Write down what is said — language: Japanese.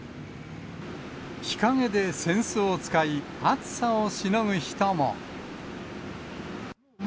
日陰で扇子を使い、暑さをしのぐ人も。